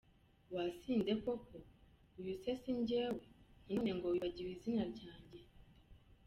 Wasinze koko! Uyu se si njyewe? None ngo wibagiwe izina ryanjye!